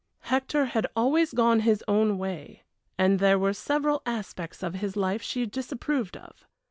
Hector had always gone his own way, and there were several aspects of his life she disapproved of.